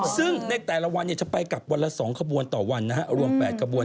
ซึ่งในแต่ละวันจะไปกลับวันละ๒ขบวนต่อวันรวม๘กระบวน